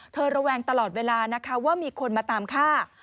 ระแวงตลอดเวลานะคะว่ามีคนมาตามฆ่า